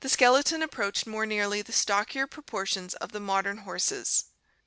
skeleton approached more nearly the stockier proportions of the modern horses.